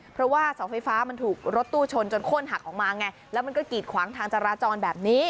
เพราะว่าเสาไฟฟ้ามันถูกรถตู้ชนจนโค้นหักออกมาไงแล้วมันก็กีดขวางทางจราจรแบบนี้